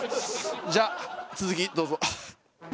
じゃあ続きどうぞ。